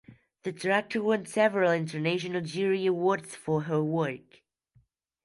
The director won several international jury awards for her work.